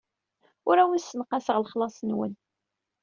Ur awen-ssenqaseɣ lexlaṣ-nwen.